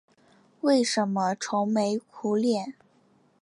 为什么愁眉苦脸？